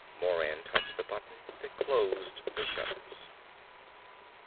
Moran touched the button that closed the shutters.